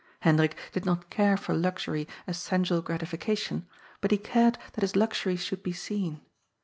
Hendrik did not care for luxury as sensual gratification. DOOMED. 369 but he cared that his luxury should be seen.